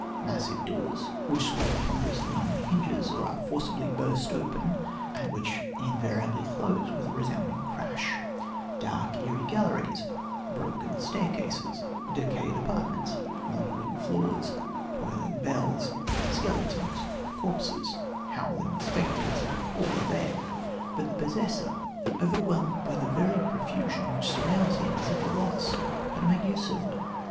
Massive doors, which sway ponderously on their hinges or are forcibly burst open and which invariably close with a resounding crash, dark, eerie galleries, broken staircases, decayed apartments, mouldering floors, tolling bells, skeletons, corpses, howling spectres all are there; but the possessor, overwhelmed by the very profusion which surrounds him, is at a loss how to make use of them.